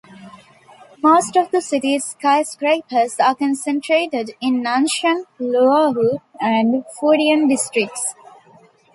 Most of the city's skyscrapers are concentrated in Nanshan, Luohu and Futian districts.